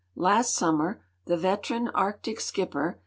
Last summer the veteran Arctic skipper.